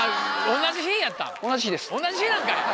同じ日なんかい。